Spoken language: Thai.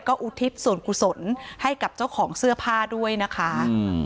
อุทิศส่วนกุศลให้กับเจ้าของเสื้อผ้าด้วยนะคะอืม